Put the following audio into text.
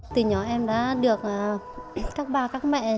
từ nhỏ em đã được các bà các mẹ